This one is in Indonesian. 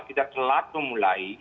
kita telat memulai